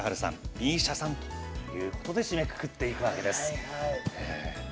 ＭＩＳＩＡさんということで締めくくっていくというわけです。